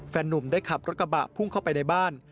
นุ่มได้ขับรถกระบะพุ่งเข้าไปในบ้าน